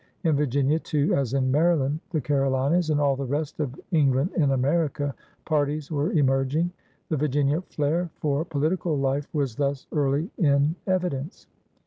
In Virginia, too, as in Maryland, tibe Carolinas, and all the rest ol England in America, parties were emerging. The Virginian flair for political life was thus early in evidence.